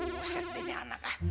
buset ini anak ah